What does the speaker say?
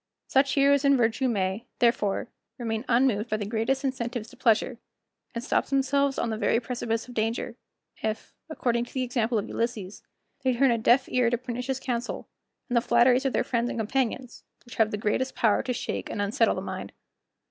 Such heroes in virtue may, therefore, remain unmoved by the greatest incentives to pleasure, and stop themselves on the very precipice of danger; if, according to the example of Ulysses, they turn a deaf ear to pernicious counsel, and the flatteries of their friends and companions, which have the greatest power to shake and unsettle the mind.